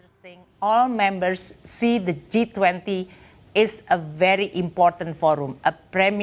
semua anggota melihat g dua puluh sebagai forum yang sangat penting